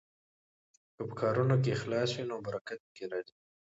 که په کارونو کې اخلاص وي نو برکت پکې راځي.